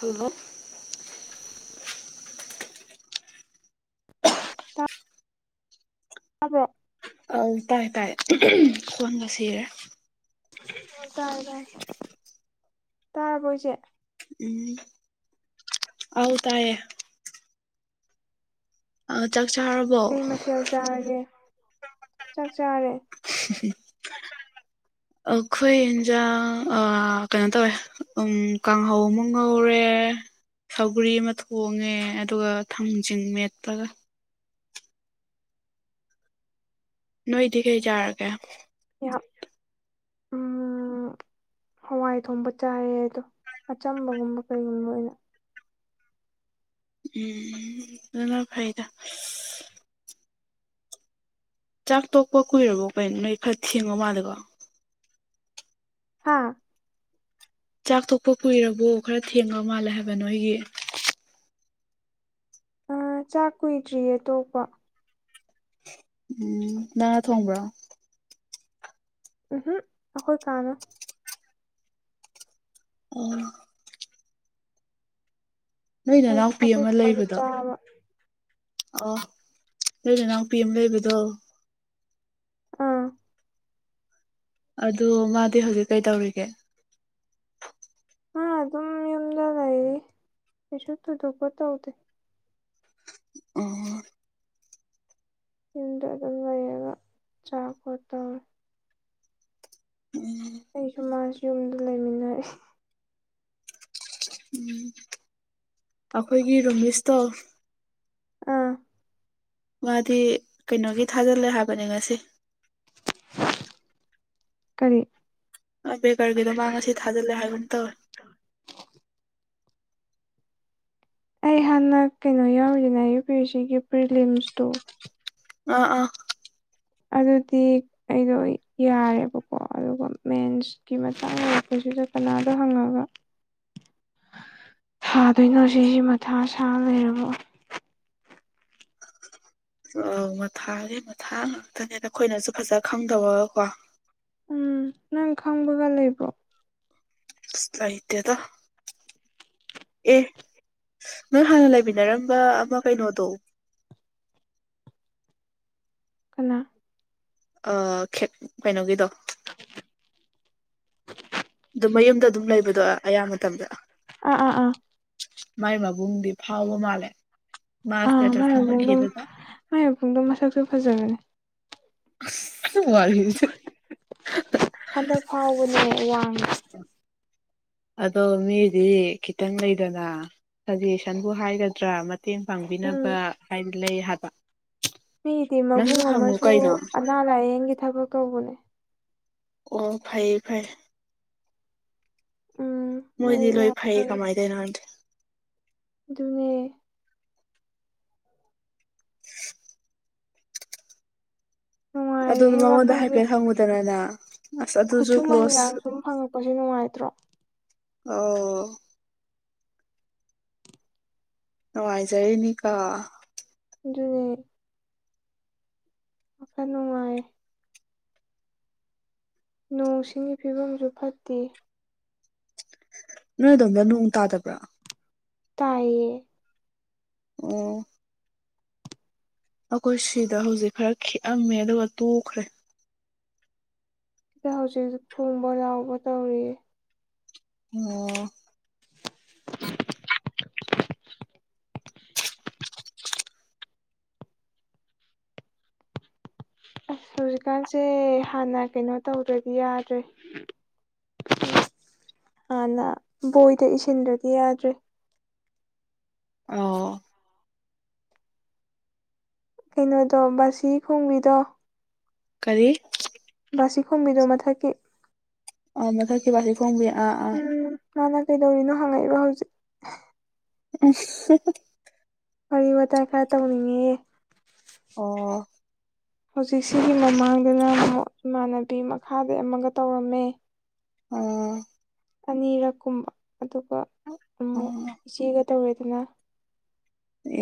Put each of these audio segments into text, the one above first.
hello ꯇ ꯑꯕꯣ ꯑ ꯇꯥꯏ ꯇꯥꯏ ꯀꯣꯟꯒ ꯁꯤꯔꯦ ꯇꯥꯏ ꯇꯥꯏ ꯇꯥ ꯀꯣꯏꯁꯦ ꯎꯝ ꯑꯥꯎ ꯇꯥꯏꯌꯦ ꯑ ꯆꯠ ꯀꯩ ꯃꯊꯦꯜ ꯆꯥꯔꯒꯦ ꯆꯥꯛ ꯆꯥꯔꯦ [unintelligible] ꯑꯩꯈꯣꯏ ꯏꯟꯖꯥꯡ ꯀꯩꯅꯣ ꯇꯧꯋꯦ ꯎ ꯀꯥꯡꯍꯧ ꯑꯃꯨꯛ ꯉꯧꯔꯦ ꯁꯧꯒ꯭ꯔꯤ ꯑꯃ ꯊꯣꯡꯉꯦ ꯑꯗꯨꯒ ꯊꯥꯡꯖꯤꯡ ꯃꯦꯠꯄꯒ ꯅꯣꯏꯗꯤꯀꯩ ꯌꯥꯔꯒꯦ ꯌꯥ ꯎꯝ ꯎ ꯍꯋꯥꯏ ꯊꯣꯡꯕ ꯆꯥꯏꯌꯦ ꯑꯗꯣ ꯑꯆꯝꯕꯒꯨꯝꯕ ꯀꯩꯒꯨꯝꯕ ꯑꯣꯏꯅ ꯎꯝ ꯑꯗꯨꯅ ꯐꯥꯏꯗ ꯆꯥꯛ ꯇꯣꯛꯄ ꯀꯨꯏꯔꯕꯣ ꯀꯩꯅꯣ ꯅꯣꯏ ꯈꯔ ꯊꯦꯡꯉꯣ ꯃꯥꯜꯂꯦꯀꯣ ꯍꯥꯥ ꯆꯥꯛ ꯊꯣꯡꯄ ꯀꯨꯏꯔꯕꯣ ꯈꯔ ꯊꯦꯡꯉ ꯃꯥꯜꯂꯦ ꯍꯥꯏꯕ ꯅꯣꯏꯒꯤ ꯑ ꯆꯥꯛ ꯀꯨꯏꯗ꯭ꯔꯤꯌꯦ ꯑꯇꯣꯞꯄ ꯎꯝ ꯉꯅꯥ ꯊꯣꯡꯕ꯭ꯔꯣ ꯎꯝꯍꯨꯝ ꯑꯩꯈꯣꯏ ꯀꯥꯅꯣ ꯑꯣꯝ ꯅꯣꯏ ꯅ ꯑꯩ ꯅꯥꯎꯄꯤ ꯑꯩꯈꯣꯏ ꯑꯃ ꯀꯥꯗ ꯂꯩꯕꯗꯣ ꯆꯥꯕ ꯑ ꯂꯩ ꯂꯩꯅꯥꯎꯄꯤ ꯑꯃ ꯂꯩꯕꯗꯣ ꯑꯥ ꯑꯗꯨ ꯃꯥꯗꯤ ꯍꯧꯖꯤꯛ ꯀꯩ ꯇꯧꯔꯤꯒꯦ ꯍꯥ ꯑꯗꯨ ꯑꯗꯨꯝ ꯌꯟꯖꯂꯏ ꯄꯁꯨ ꯊ ꯈꯨꯠꯇ ꯍꯧꯗ ꯑꯣ ꯏꯗ ꯑꯗꯨꯝ ꯂꯩꯌꯦꯒ ꯆꯥꯀꯠꯇꯦ ꯎꯝ ꯑꯩꯁꯨ ꯃꯥꯁ ꯌꯨꯝꯗ ꯂꯩꯃꯤꯟꯅꯔꯦ ꯑꯩꯈꯣꯏꯒꯤ ꯔꯣꯃꯦꯁꯇꯣ ꯑꯥ ꯉꯗꯤ ꯀꯩꯅꯣꯒꯤ ꯊꯥꯖꯤꯜꯂꯦ ꯍꯥꯏꯕꯅꯦ ꯉꯁꯤ ꯀꯔꯤ ꯕꯦꯀꯔꯒꯤꯗꯣꯃ ꯉꯁꯤ ꯊꯥꯖꯤꯜꯂꯦ ꯍꯥꯏꯒꯨꯝ ꯇꯧꯋꯦ ꯑꯩ ꯍꯥꯟꯅ ꯀꯩꯅꯣ ꯌꯥꯎꯔꯤꯅ ꯌꯨ ꯄꯤ ꯑꯦ ꯁꯤꯒꯤ ꯄ꯭ꯔꯤꯂꯤꯌꯝ ꯏꯁꯇꯣ ꯑꯥ ꯑꯥ ꯑꯗꯨꯗꯤ ꯑꯩꯗꯣ ꯌꯥꯔꯦꯕꯀꯣ ꯑꯗꯨꯒ ꯃꯦꯟꯁꯀꯤ ꯃꯇꯥꯡ ꯑꯣꯏꯔꯄꯁꯨ ꯑꯗꯨꯗ ꯀꯅꯥꯗꯣ ꯍꯪꯉꯒ [inaudible] ꯊꯥꯗꯣꯏꯅꯣ ꯁꯤꯁꯤ ꯃꯊꯥ ꯁꯥ ꯂꯩꯔꯕꯣ ꯃꯊꯥꯒꯤ ꯃꯊꯥ ꯉꯥꯛꯇꯅꯦ ꯅꯈꯣꯏꯅꯁꯨ ꯐꯖ ꯈꯪꯗꯔꯒꯀꯣ ꯎꯝ ꯅꯪ ꯈꯪꯕꯒ ꯂꯩꯕ꯭ꯔꯣ ꯁꯥꯍꯤꯇꯗ ꯑꯦ ꯅꯪ ꯍꯥꯟꯅ ꯂꯩꯃꯤꯟꯅꯔꯝꯕ ꯑꯃ ꯀꯩꯅꯣꯗꯣ [inaudible] ꯀ ꯑ ꯀꯩꯅꯣꯒꯤꯗꯣ ꯑꯗꯨ ꯃꯌꯨꯝꯗ ꯑꯗꯨꯝ ꯂꯩꯕꯗꯣ ꯑꯌꯥꯝꯕ ꯃꯇꯝꯗ ꯑꯥ ꯑꯥ ꯑꯥ ꯃꯥꯏ ꯃꯕꯨꯡꯗꯤ ꯐꯥꯎꯕ ꯃꯥꯜꯂꯦ ꯃꯥꯁꯇꯌꯥ ꯑꯥ ꯆꯠ ꯃꯥꯏ ꯃꯕꯨꯡꯗꯣ ꯈꯪꯈꯤꯗꯒ ꯋꯥꯔꯤꯁꯦ ꯍꯥꯏꯗꯔ ꯐꯒ [inaudible] ꯑꯗꯣ ꯃꯤꯗꯤ ꯈꯤꯇꯪ ꯂꯩꯗꯅ ꯁꯖꯦꯁꯟꯕꯨ ꯍꯥꯏꯒꯗ꯭ꯔꯥ ꯃꯇꯦꯡ ꯄꯥꯡꯕꯤꯅꯕ ꯍꯥꯏꯗꯤ ꯂꯩ ꯍꯥꯏꯕ ꯃꯤꯗꯤ ꯅꯪꯁꯨ ꯃꯕꯨꯡ ꯍꯪꯉꯨ ꯑꯃꯁꯨ ꯀꯩꯅꯣ ꯑꯅꯥ ꯂꯥꯏꯌꯦꯡꯒꯤ ꯊꯕꯛ ꯇꯧꯕꯅꯦ ꯑꯣ ꯐꯩꯌꯦ ꯐꯩꯌꯦ ꯎꯝ ꯃꯣꯏ ꯂꯣꯏ ꯌꯥꯝ ꯐꯩ ꯀꯃꯥꯏꯅ ꯇꯧꯔꯤꯅꯣ ꯈꯪꯗꯦ ꯅꯦ ꯅꯨꯡꯉꯥꯏꯔꯦꯍꯦ ꯑꯗꯨꯅ ꯃꯉꯣꯟꯗ ꯋꯥꯈꯜꯁꯦ ꯍꯥꯏꯐꯦꯠ ꯍꯪꯉꯨꯗꯅꯅ ꯈꯨꯠꯁꯨꯃꯟꯒꯥꯡ ꯁꯨꯝ ꯐꯪꯉꯛꯄꯁꯦ ꯅꯨꯡꯉꯥꯏꯇ꯭ꯔꯣ ꯑꯣ ꯅꯨꯡꯉꯥꯏꯖꯔꯦꯅꯤꯀ ꯑꯗꯨ ꯑꯣ ꯀꯅꯅꯨꯡꯉꯥꯏ ꯅꯣꯡꯁꯤꯡꯒꯤ ꯐꯤꯕꯝꯁꯨ ꯐꯠꯇꯦ ꯅꯣꯏ ꯑꯗꯣꯝꯗ ꯅꯅꯨꯡ ꯇꯥꯗꯕ꯭ꯔꯥ ꯇꯥꯏꯌꯦ ꯑꯣ ꯑꯩꯈꯣꯏ ꯁꯤꯗ ꯍꯧꯖꯤꯛ ꯈꯔ ꯦꯑꯝꯃꯦ ꯑꯗꯨꯒ ꯇꯣꯛꯈ꯭ꯔꯦ ꯁꯤꯗ ꯍꯧꯖꯤꯛ ꯈꯨꯝꯕ ꯂꯥꯎꯕ ꯇꯧꯔꯤꯌꯦ ꯑꯣ [inaudible] ꯑꯁ ꯍꯧꯖꯤꯛꯀꯥꯟꯁꯦ ꯍꯥꯟꯅ ꯀꯩꯅꯣ ꯇꯧꯗ꯭ꯔꯗꯤ ꯌꯥꯗ꯭ꯔꯦ ꯍꯥꯟꯅ ꯕꯣꯏꯗ ꯏꯁꯤꯟꯗ꯭ꯔꯗꯤ ꯌꯥꯗ꯭ꯔꯦ ꯑꯣ ꯀꯩꯅꯣꯗꯣ ꯕꯥꯁꯤ ꯈꯣꯡꯕꯤꯗꯣ ꯀꯔꯤ ꯕꯥꯁꯤꯈꯣꯕꯤꯗꯣ ꯃꯊꯛꯀꯤ ꯑ ꯃꯊꯛꯀꯤ ꯋꯥꯁꯤ ꯐꯣꯡꯕꯤ ꯑꯥ ꯑꯥ ꯎꯝ ꯃꯥꯅ ꯀꯩꯗꯧꯔꯤꯅꯣ ꯍꯪꯉꯛꯏꯕ ꯍꯧꯖꯤꯛ ꯑ ꯋꯥꯔꯤ ꯋꯥꯇꯥꯏ ꯈꯔ ꯇꯧꯅꯤꯡꯉ ꯑꯣ ꯍꯧꯖꯤꯛꯁꯤꯒꯤ ꯃꯃꯥꯡꯗꯅ ꯏꯃꯥꯟꯅꯕꯤ ꯃꯈꯥꯗ ꯑꯃꯒ ꯇꯧꯔꯝꯃꯦ ꯑꯣꯝ ꯑꯅꯤꯔꯛ ꯀꯨꯝꯕ ꯑꯗꯨꯒ ꯑꯃꯨꯛ ꯑꯥ ꯏꯆꯦꯒ ꯇꯧꯔꯦꯗꯅ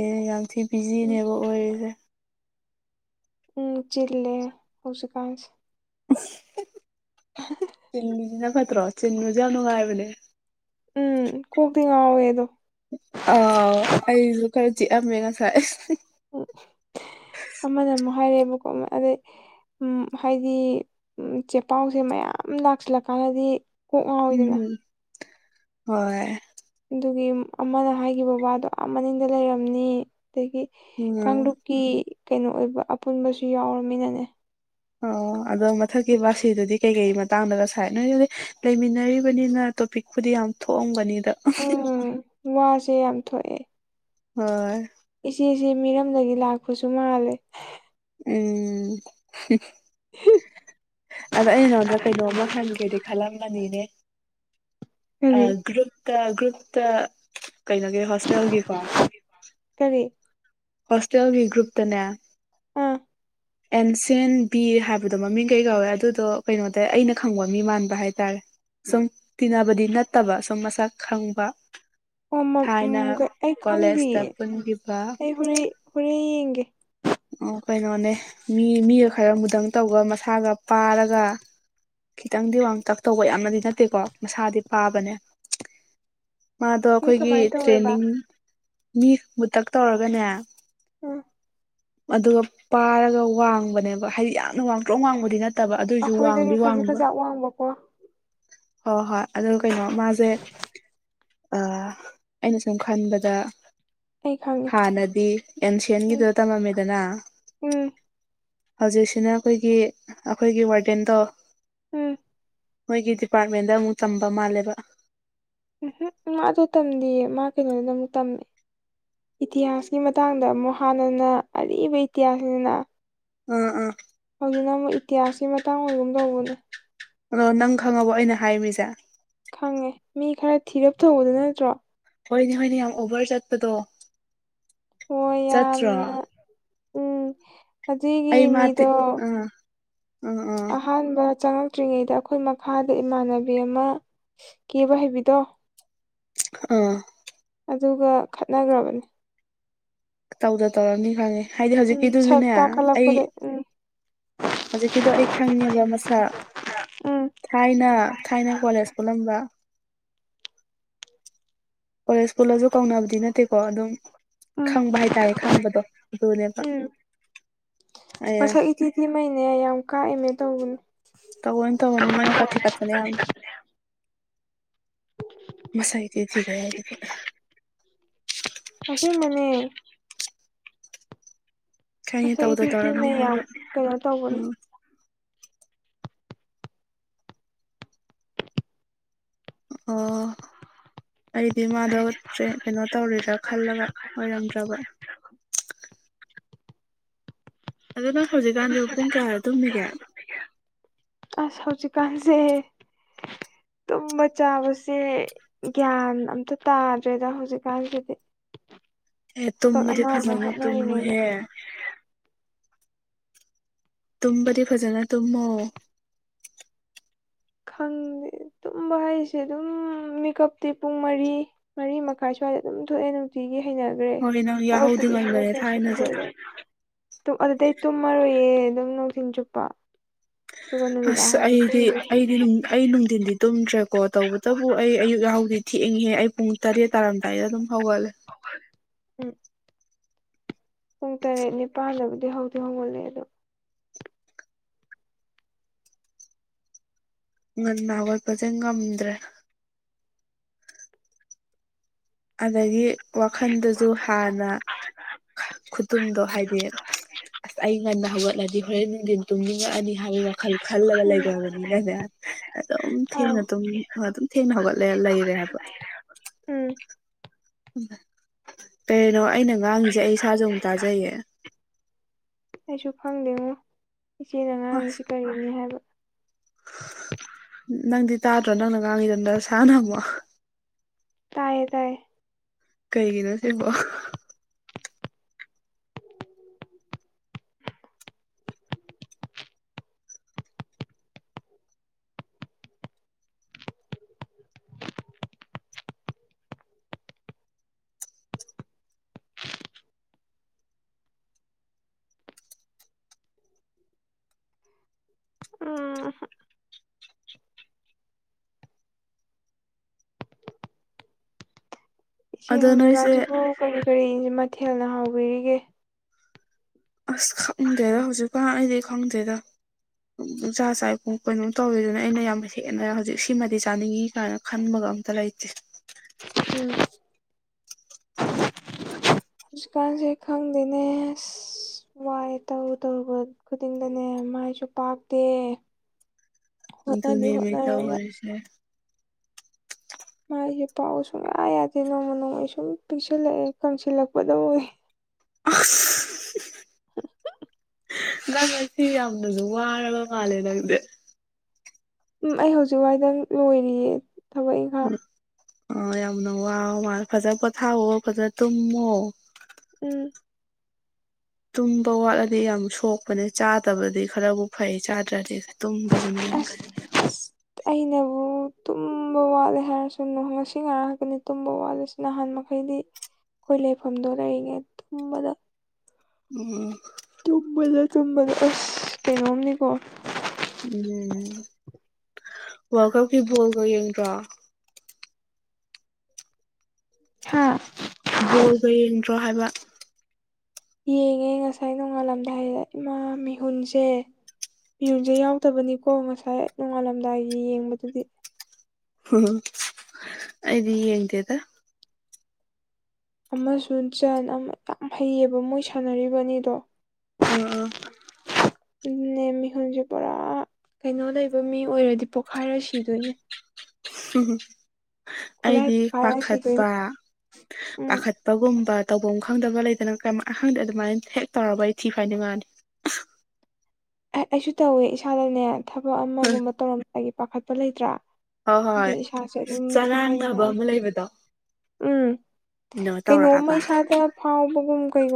ꯑꯦ ꯌꯥꯝ ꯊꯤ ꯕꯤꯖꯤꯅꯦꯕ ꯑꯣꯏꯔꯤꯁꯦ ꯎꯝ ꯆꯤꯜꯂꯦ ꯍꯧꯁꯨ ꯀꯥꯏꯁ ꯆꯤꯟꯃꯤꯁꯤꯅ ꯐꯠꯇ꯭ꯔꯣ ꯆꯤꯟꯃꯤꯁꯦ ꯌꯥꯝ ꯅꯨꯡꯉꯥꯏꯕꯅꯦ ꯎꯝ ꯀꯣꯛꯇ ꯉꯥꯎꯋꯦꯗꯣ ꯑꯥ ꯑꯩꯁꯨ ꯈꯔ ꯆꯤꯛꯑꯝꯃꯦ ꯉꯁꯥꯏ ꯎꯝ ꯑꯃꯅ ꯑꯃꯨꯛ ꯍꯥꯏꯔꯛꯑꯦꯕꯀꯣ ꯑꯃ ꯑꯗꯩ ꯎ ꯍꯥꯏꯗꯤ ꯆꯦꯄꯥꯎꯁꯦ ꯃꯌꯥꯝ ꯂꯥꯛꯁꯤꯜꯂꯛꯀꯥꯟꯗꯗꯤ ꯀꯣꯛ ꯉꯥꯎꯑꯣ ꯑꯣꯏꯗꯅ ꯎꯝ ꯍꯣꯏ ꯑꯗꯨꯒꯤ ꯑꯃꯅ ꯍꯥꯏꯈꯤꯕ ꯋꯥꯗꯣ ꯑ ꯃꯅꯤꯡꯗ ꯂꯩꯔꯝꯅꯤ ꯑꯗꯒꯤ ꯎꯝ ꯀꯥꯡꯂꯨꯞꯀꯤ ꯀꯩꯅꯣ ꯑꯣꯏꯕ ꯑꯄꯨꯟꯕꯁꯨ ꯌꯥꯎꯔꯃꯤꯅꯅꯦ ꯑꯣ ꯑꯗꯣ ꯃꯊꯛꯀꯤ ꯕꯥꯁꯤꯗꯨꯗꯤ ꯀꯩ ꯀꯩ ꯃꯇꯥꯡꯗꯒ ꯉꯁꯥꯏ ꯅꯣꯏ ꯑꯗꯨꯗꯤ ꯂꯩꯃꯤꯟꯅꯔꯤꯕꯅꯤꯅ ꯇꯣꯄꯤꯛ ꯈꯨꯗꯤꯡ ꯌꯥꯝ ꯊꯣꯛꯑꯕꯅꯤꯗ ꯁꯦ ꯌꯥꯝ ꯊꯣꯛꯑꯦ ꯍ ꯏꯆꯦꯁꯤ ꯃꯤꯔꯝꯗꯒꯤ ꯂꯥꯛꯄꯁꯨ ꯃꯥꯜꯂꯦ ꯎꯝ ꯑꯗꯣ ꯑꯩ ꯅꯉꯣꯟꯗ ꯀꯩꯅꯣꯝꯃ ꯍꯪꯒꯦꯗꯤ ꯈꯜꯂꯝꯕꯅꯤꯅꯦ ꯑ ꯀꯔꯤ ꯒ꯭ꯔꯨꯞꯨꯞꯇ ꯒ꯭ꯔꯨꯨꯞꯇ ꯀꯩꯅꯣꯒꯤ ꯍꯣꯁꯇꯦꯜꯒꯤꯀꯣ ꯀꯔꯤ ꯍꯣꯁꯇꯦꯜꯒꯤ ꯒ꯭ꯔꯨꯞꯇꯅꯦ ꯑꯥ ꯑꯦꯟꯁꯦꯟ ꯕꯤ ꯍꯥꯏꯕꯗꯣ ꯃꯃꯤꯡ ꯀꯩ ꯀꯧꯋꯦ ꯑꯗꯨꯗꯣ ꯀꯩꯅꯣꯗ ꯑꯩꯅ ꯈꯪꯕ ꯃꯤ ꯃꯥꯟꯕ ꯍꯥꯏꯇꯥꯔꯦ ꯁꯨꯝ ꯇꯤꯟꯅꯕꯗꯤ ꯅꯠꯇꯕ ꯁꯨꯝ ꯃꯁꯛ ꯈꯪꯕ ꯑꯣ ꯎ ꯊꯥꯏꯅ ꯑꯩ ꯈꯣꯟꯗꯤ ꯀꯣꯂꯦꯖꯇ ꯄꯨꯟꯈꯤꯕ ꯑꯩ ꯍꯣꯔꯦꯟ ꯍꯣꯔꯦꯟ ꯌꯦꯡꯒꯦ ꯀꯩꯅꯣꯅꯦ ꯃꯤ ꯃꯤꯒ ꯈꯔ ꯃꯨꯗꯪ ꯇꯧꯕ ꯃꯁꯥꯒ ꯄꯥꯔꯒ ꯈꯤꯇꯪꯗꯤ ꯋꯥꯡꯇꯛ ꯇꯧꯕ ꯌꯥꯝꯅꯗꯤ ꯅꯠꯇꯦꯀꯣ ꯃꯁꯥꯗꯤ ꯄꯥꯕꯅꯦ ꯃꯥꯗꯣ ꯃꯤ ꯑꯩꯈꯣꯏꯒꯤ ꯀꯃꯥꯏꯅ ꯇꯧꯋꯦꯕ ꯇ꯭ꯔꯦꯅꯤꯡ ꯅꯤ ꯃꯨꯛꯇꯛ ꯇꯧꯔꯒꯅꯦ ꯎꯝ ꯑꯗꯨꯒ ꯄꯥꯔꯒ ꯋꯥꯡꯕꯅꯦꯕ ꯍꯥꯏꯗꯤ ꯌꯥꯝꯅ ꯋꯥꯡꯗ꯭ꯔꯣ ꯋꯥꯡꯕꯗꯤ ꯅꯠꯇꯕ ꯑꯗꯨꯑꯣꯏꯁꯨ ꯋꯥꯡꯗ ꯑꯩꯈꯣꯏꯗꯒꯤ ꯈꯖꯤꯛ ꯈꯖꯥ ꯋꯥꯡꯕꯀꯣ ꯍꯣ ꯍꯣꯏ ꯑꯗꯨ ꯀꯩꯅꯣ ꯃꯥꯁꯦ ꯑ ꯑꯩꯅ ꯁꯨꯝ ꯈꯟꯕꯗ ꯑꯩ ꯈꯪꯉꯦ ꯍꯥꯟꯅꯗꯤ ꯎꯝ ꯑꯦꯟꯁꯤꯟꯒꯤꯗꯣ ꯇꯝꯃꯝꯃꯤꯗꯅ ꯎꯝ ꯍꯧꯖꯤꯛꯁꯤꯅ ꯑꯩꯈꯣꯏꯒꯤ ꯑꯩꯈꯣꯏꯒꯤ ꯋꯥꯔꯗꯦꯟꯗꯣ ꯎꯝ ꯃꯣꯏꯒꯤ ꯗꯤꯄꯥꯔꯠꯃꯦꯟꯗ ꯑꯃꯨꯛ ꯇꯝꯕ ꯃꯥꯜꯂꯦꯕ ꯎꯝ ꯎꯝ ꯑꯗꯨ ꯇꯝꯗꯤꯌꯦ ꯃꯥ ꯀꯩꯅꯣꯗꯨꯅ ꯑꯃꯨꯛ ꯇꯝꯃꯦ ꯏꯇꯤꯍꯥꯁꯀꯤ ꯃꯇꯥꯡꯗ ꯑꯃꯨꯛ ꯍꯥꯟꯅꯅ ꯑꯔꯤꯕ ꯏꯇꯤꯍꯥꯁꯅꯤꯅ ꯎꯝ ꯎꯝ ꯍꯧꯖꯤꯡꯅ ꯑꯃꯨꯛ ꯏꯇꯤꯍꯥꯁꯀꯤ ꯃꯇꯥꯡ ꯑꯣꯏꯒꯨꯝ ꯇꯧꯕꯅꯦ ꯑꯗꯣ ꯅꯪ ꯈꯪꯉꯕꯣ ꯑꯩꯅ ꯍꯥꯏꯃꯤꯁꯦ ꯈꯪꯉꯦ ꯃꯤ ꯈꯔ ꯊꯤꯔꯞ ꯊꯧꯕꯗ ꯅꯠꯇ꯭ꯔꯣ ꯍꯣꯏꯅꯦ ꯍꯣꯏꯅꯦ ꯌꯥꯝ ꯑꯣꯕꯔ ꯆꯠꯄꯗꯣ ꯍꯣꯏ ꯌꯥꯝ ꯆꯠꯇ꯭ꯔꯣ ꯎꯝ ꯑꯗꯨꯒꯤ ꯑꯩ ꯃꯥꯗꯤ ꯃꯤꯗꯣ ꯑꯥ ꯑꯥ ꯑꯥ ꯑꯍꯕ ꯆꯉꯛ ꯆꯥꯉꯛꯇ꯭ꯔꯤꯉꯩꯗ ꯑꯩꯈꯣꯏ ꯃꯈꯥꯗ ꯏꯃꯥꯟꯅꯕꯤ ꯑꯃ ꯀꯦꯕ ꯍꯩꯕꯤꯗꯣ ꯑꯥ ꯑꯗꯨꯒ ꯈꯠꯅꯈ꯭ꯔꯕꯅꯤ ꯇꯧꯗ ꯇꯧꯔꯝꯅꯤ ꯈꯪꯉꯦ ꯍꯥꯏꯗꯤ ꯁꯛ ꯍꯧꯖꯤꯛꯀꯤꯗꯨꯁꯨꯅꯦ ꯑꯩ ꯇꯥꯛꯈꯠꯂꯛꯄꯗ ꯎꯝ ꯍꯧꯖꯤꯛꯀꯤꯗꯣ ꯑꯩ ꯈꯪꯉꯦꯕ ꯃꯁꯥꯛ ꯎꯝ ꯊꯥꯏꯅ ꯊꯥꯏꯅ ꯀꯣꯂꯦꯖ ꯈꯨꯂꯝꯕ ꯀꯣꯂꯦꯖ ꯄꯨꯜꯂꯁꯨ ꯀꯥꯎꯅꯕꯗꯤ ꯅꯠꯇꯦꯀꯣ ꯑꯗꯨꯝ ꯎꯝ ꯈꯪꯕ ꯍꯥꯏꯇꯥꯔꯦ ꯈꯪꯕꯗꯣ ꯑꯗꯨꯅꯦꯕ ꯎꯝ ꯑꯩꯌꯥ ꯃꯁꯛ ꯏꯊꯤ ꯃꯩꯅꯦ ꯌꯥꯝ ꯀꯥꯛꯏꯃꯦ ꯇꯧꯕꯅꯦ ꯇꯧꯕꯅꯦ ꯇꯧꯕꯅꯤ ꯃꯉꯥꯛꯀꯥ ꯊꯦꯀꯠꯄꯅꯦ ꯌꯥꯝ ꯃꯁꯛ ꯢꯊꯤ ꯊꯤꯒꯩ ꯍꯥꯢꯁꯦ ꯑꯁꯦꯡꯕꯅꯦ ꯈꯪꯉꯦ ꯑꯁ ꯇꯧꯗ ꯏꯊꯤ ꯇꯧꯔꯝꯅꯤ ꯊꯤꯈꯩ ꯌꯥꯝ ꯍꯥꯏꯕ ꯀꯩꯅꯣ ꯇꯧꯕꯅꯦ ꯎꯝ ꯑꯣ ꯑꯩꯗꯤ ꯃꯥꯗꯣ ꯀꯩꯅꯣ ꯇꯧꯔꯤ ꯈꯜꯂꯒ ꯑꯣꯏꯔꯝꯗ꯭ꯔꯕ [unintelligible] ꯑꯗꯨꯅ ꯍꯧꯖꯤꯛꯀꯥꯟꯁꯤ ꯄꯨꯡ ꯀꯌꯥꯗ ꯇꯨꯝꯃꯤꯒꯦ ꯑꯁ ꯍꯧꯖꯤꯛꯀꯥꯟꯁꯦ [unintelligible] ꯇꯨꯝꯕ ꯆꯥꯕꯁꯦ ꯒ꯭ꯌꯥꯟ ꯑꯝꯇ ꯇꯥꯗ꯭ꯔꯦꯗ ꯍꯧꯖꯤꯛꯀꯥꯟꯁꯤꯗꯤ ꯑꯦ ꯇꯣ ꯇꯨꯝꯕꯗꯤ ꯑꯃꯃꯨꯛ ꯐꯖꯅ ꯍꯣꯠꯅꯔꯤꯉꯩꯗ ꯇꯨꯝꯃꯨꯍꯦ ꯇꯨꯝꯕꯗꯤ ꯐꯖꯅ ꯇꯨꯝꯃꯣ ꯈꯪꯗꯦ ꯇꯨꯝꯕ ꯍꯥꯏꯁꯦ ꯑꯗꯨꯝ ꯃꯦꯀꯞꯇꯤ ꯄꯨꯡ ꯃꯔꯤ ꯃꯔꯤ ꯃꯈꯥꯏ ꯁ꯭ꯋꯥꯏ ꯑꯗꯨꯝ ꯊꯣꯛꯑꯦ ꯅꯨꯡꯇꯤꯒꯤ ꯍꯣꯏ ꯅꯪ ꯌꯥꯍꯧꯗꯤ ꯉꯟꯕꯅꯦ ꯊꯥꯏꯅꯁꯨ [inaudible] ꯇꯨꯝꯃꯔꯣꯢꯌꯦ ꯑꯗꯨꯝ ꯅꯨꯡꯊꯤꯟ ꯆꯨꯞꯄ ꯑꯗꯨꯒ ꯅꯨꯃꯤꯗꯥ ꯑꯁ ꯍꯧꯖꯤꯛ ꯑꯩꯗꯤ ꯇꯨꯝꯗꯨꯢ ꯑꯩꯗꯤ ꯑꯩ ꯅꯨꯡꯊꯤꯟꯗꯤ ꯇꯨꯝꯗ꯭ꯔꯦ ꯀꯣ ꯇꯧꯕꯇꯕꯨ ꯑꯩ ꯑꯌꯨꯛ ꯌꯥꯍꯥꯎꯗꯤ ꯊꯦꯛꯏꯍꯦ ꯑꯩ ꯄꯨꯡ ꯇꯔꯦꯠ ꯇꯥꯔꯝꯗꯥꯏꯗ ꯑꯗꯨꯝ ꯍꯧꯒꯠꯂꯦ ꯎꯝ ꯄꯨꯡ ꯇꯔꯦꯠ ꯅꯤꯄꯥꯟꯗꯕꯨꯗꯤ ꯍꯧꯗꯤ ꯍꯧꯒꯠꯂꯦ ꯑꯗꯣ ꯉꯟꯅ ꯍꯧꯒꯠꯄꯁꯦ ꯉꯝꯗ꯭ꯔꯦ ꯑꯗꯒꯤ ꯋꯥꯈꯜꯗꯁꯨ ꯍꯥꯟꯅ ꯈꯨꯇꯨꯝꯗꯣ ꯍꯥꯏꯗꯤ ꯑꯁ ꯑꯩ ꯉꯟꯅ ꯍꯧꯒꯠꯂꯗꯤ ꯍꯣꯔꯦꯟ ꯅꯨꯡꯊꯤꯟ ꯇꯨꯝꯅꯤꯡꯉꯛꯑꯅꯤ ꯍꯥꯏꯕꯒꯤ ꯋꯥꯈꯜ ꯈꯜꯂꯒ ꯎꯝ ꯂꯩꯈ꯭ꯔꯕꯅꯤꯅꯅꯦ ꯑꯗꯨꯝ ꯑꯥ ꯊꯦꯡꯅ ꯑꯗꯨꯝ ꯑꯗꯨꯝ ꯊꯦꯡꯅ ꯍꯧꯒꯠꯂꯦ ꯂꯩꯔꯦ ꯍꯥꯏꯕ ꯎꯝ ꯀꯔꯤꯅꯣ ꯑꯩꯅ ꯉꯥꯡꯉꯤꯁꯦ ꯑꯩ ꯏꯁꯥꯁꯨ ꯑꯃꯨꯛ ꯇꯥꯖꯩꯌꯦ ꯑꯩꯁꯨ ꯐꯪꯗꯦꯉꯣ ꯏꯆꯦꯅ ꯑꯁ ꯉꯥꯡꯉꯤꯁꯤ ꯀꯔꯤꯅꯤ ꯍꯥꯏꯕ ꯅꯪꯗꯤ ꯇꯥꯗ꯭ꯔꯣ ꯅꯪꯅ ꯉꯥꯡꯉꯤꯗꯣ ꯁꯥꯟꯅ ꯃꯁꯨꯛ ꯇꯥꯏꯌꯦ ꯇꯥꯏ ꯀꯩꯒꯤꯅꯣ ꯁꯤꯕꯣ ꯑ ꯏꯆꯦ ꯑꯗꯣ ꯅꯣꯏꯁꯦ ꯍꯧꯖꯤꯛꯀꯥꯟꯁꯤꯕꯨ ꯀꯔꯤ ꯀꯔꯤ ꯏꯆ ꯃꯊꯦꯜꯅ ꯍꯥꯎꯕꯤꯔꯤꯒꯦ ꯑꯁ ꯈꯪꯗꯔꯦꯗ ꯍꯧꯖꯤꯛꯀꯥꯟ ꯑꯩꯗꯤ ꯈꯪꯗꯦꯗ ꯎꯝ ꯄꯨꯡꯆꯥ ꯆꯥꯏ ꯄꯨꯡ ꯀꯩꯅꯣꯝ ꯇꯧꯋꯤꯗꯨꯅ ꯑꯩꯅ ꯌꯥꯝ ꯍꯦꯟꯅ ꯍꯧꯖꯤꯛ ꯁꯤꯃꯗꯤ ꯆꯥꯅꯤꯡꯏ ꯀꯥꯏꯅ ꯈꯟꯕꯒ ꯀꯩꯝ ꯇ ꯂꯩꯇꯦ ꯎꯝ ꯍꯧꯖꯤꯛꯀꯥꯟꯁꯦ ꯈꯪꯗꯦꯅꯦ ꯑ ꯋꯥꯥꯏ ꯇꯧ ꯇꯧꯕ ꯈꯨꯗꯤꯡꯗꯅꯦ ꯃꯥꯏꯁꯨ ꯄꯥꯛꯇꯦ ꯍꯣꯠꯅꯗꯤ ꯑꯗꯨꯅꯦꯃꯤ ꯍꯣꯠꯅꯔꯒ ꯇꯧꯔꯤꯁꯦ ꯃꯥꯏꯁꯦ ꯄꯥꯎ ꯁꯨꯡꯌꯥ ꯌꯥꯗꯦ ꯅꯣꯡꯃ ꯅꯣꯡꯃꯒꯤ ꯁꯨꯝ ꯄꯤꯛꯁꯤꯜꯂꯛꯑꯦ ꯀꯪꯁꯤꯜꯂꯛꯄꯗꯕꯨꯋ ꯅꯪ ꯉꯁꯤ ꯌꯥꯝꯅꯁꯨ ꯋꯥꯔꯕ ꯃꯥꯜꯂꯦ ꯅꯪꯗꯦ ꯎꯝ ꯑꯩ ꯍꯧꯖꯤꯛ ꯋꯥꯏꯗꯪ ꯂꯣꯏꯔꯤꯌꯦ ꯊꯕꯛ ꯏꯪꯈꯥꯡ ꯑ ꯌꯥꯝꯅ ꯋꯥ ꯃꯥ ꯐꯖ ꯄꯣꯊꯥꯑꯣꯣ ꯐꯖ ꯇꯨꯝꯃꯣ ꯎꯝ ꯇꯨꯝꯕ ꯋꯥꯠꯂꯗꯤ ꯌꯥꯝ ꯁꯣꯛꯄꯅꯦ ꯆꯥꯗꯕꯗꯤ ꯈꯔꯕꯨ ꯐꯩ ꯆꯥꯗ꯭ꯔꯗꯤ ꯊꯨꯝ ꯖꯅꯤꯌꯥꯝꯝ ꯑꯁ ꯑꯁ ꯑꯩꯅꯕꯨ ꯇꯨꯝꯕ ꯋꯥꯠꯂꯦ ꯍꯥꯏꯔꯁꯨꯅ ꯉꯁꯤ ꯉꯔꯛꯑꯒꯅꯤ ꯇꯨꯝꯕ ꯋꯥꯠꯂꯤꯁꯤ ꯅꯍꯥꯟ ꯍꯥꯏꯣꯏꯗꯤ ꯑꯩꯈꯣꯏ ꯂꯩꯐꯝꯗꯣ ꯂꯩꯔꯤꯉꯩ ꯇꯨꯝꯕꯗ ꯎꯝ ꯆꯨꯝꯕꯂ ꯆꯨꯝꯕꯗ ꯑꯁ ꯀꯩꯅꯣꯝꯅꯤꯀꯣ ꯎꯝ ꯋꯥꯔ ꯀꯞꯀꯤꯕꯣꯜꯒ꯭ꯔ ꯍꯥꯥ ꯕꯣꯜꯒ ꯌꯦꯡꯗ꯭ꯔꯣ ꯍꯥꯏꯕ ꯌꯦꯡꯉꯦ ꯉꯁꯥꯏ ꯅꯣꯡꯉꯥꯜꯂꯝꯗꯥꯏꯗ ꯏꯃꯥ ꯃꯤꯍꯨꯟꯁꯦ ꯌꯨꯝꯁꯦ ꯌꯥꯎꯗꯕꯅꯤꯀꯣ ꯉꯁꯥꯏ ꯅꯣꯡꯉꯥꯜꯂꯝꯗꯥꯏꯒꯤ ꯌꯦꯡꯕꯗꯨꯗꯤ ꯎꯝ ꯑꯩꯗꯤ ꯌꯦꯡꯗꯦꯗ ꯑꯃꯁꯨꯡ ꯖꯟ ꯌꯥꯝ ꯍꯩꯌꯦꯕ ꯃꯣꯏ ꯁꯥꯟꯅꯔꯤꯕꯅꯤꯗꯣ ꯑꯝ ꯑꯥ ꯅꯃꯤꯍꯨꯖꯤꯦ ꯄꯨ ꯀꯩꯅꯣ ꯂꯩꯕ ꯃꯤ ꯑꯣꯏꯔꯗꯤ ꯄꯣꯛꯈꯥꯏꯔ ꯁꯤꯗꯣꯏꯅꯦ ꯈꯨꯠꯂꯥꯏ ꯑꯩꯗꯤ ꯄꯣꯛꯈꯥꯏꯔ ꯁꯤꯗꯣꯏꯅꯦ ꯄꯥꯈꯠꯄ ꯎꯝ ꯄꯥꯈꯠꯄꯒꯨꯝꯕ ꯇꯧꯐꯝ ꯈꯪꯗꯕ ꯂꯩꯗꯅ ꯑꯍꯪꯗꯦ ꯑꯗꯨꯃꯥꯏꯅ ꯍꯦꯛ ꯇꯧꯔꯕ ꯑꯩ ꯊꯤ ꯐ ꯍꯥꯏ ꯉꯥꯅꯤ ꯑꯩꯁꯨ ꯇꯧꯋꯦ ꯏꯁꯥꯗꯅꯦ ꯊꯕꯛ ꯑꯃꯒꯨꯝꯕ ꯇꯧꯔꯝꯕꯒꯤ ꯄꯥꯈꯠꯄ ꯂꯩꯇ꯭ꯔꯥ ꯍꯣꯏ ꯍꯣꯏ ꯑꯗꯨꯣ ꯏꯁꯥꯁꯦ ꯑꯗꯨꯝ ꯊꯤ ꯆꯔꯥꯡꯅꯕ ꯐꯥꯏꯅꯤꯡꯉꯥꯏ ꯑꯃ ꯂꯩꯕꯗꯣ ꯎꯝ ꯀꯩꯅꯣ ꯀꯩꯅꯣꯝꯃ ꯇꯧꯔꯛꯑꯕ ꯏꯁꯥꯗ ꯐꯥꯎꯕꯒꯨꯝ ꯀꯩꯒꯨꯝꯕ